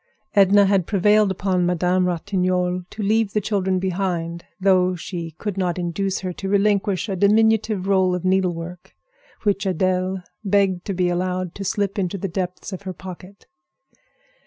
Edna had prevailed upon Madame Ratignolle to leave the children behind, though she could not induce her to relinquish a diminutive roll of needlework, which Adèle begged to be allowed to slip into the depths of her pocket.